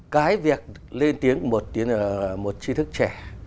cái việc lên tiếng một chi thức trẻ